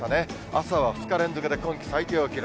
朝は２日連続で今季最低を記録。